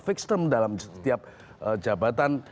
fix term dalam setiap jabatan